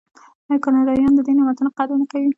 آیا کاناډایان د دې نعمتونو قدر نه کوي؟